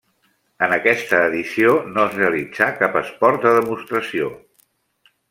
En aquesta edició no es realitzà cap esport de demostració.